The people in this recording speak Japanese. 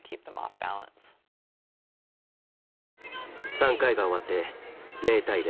３回が終わって０対０。